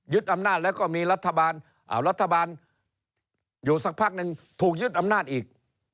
อำนาจแล้วก็มีรัฐบาลรัฐบาลอยู่สักพักนึงถูกยึดอำนาจอีก